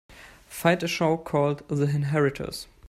Find a show called The Inheritors